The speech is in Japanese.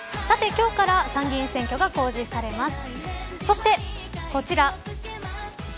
今日から参議院選挙が公示されます。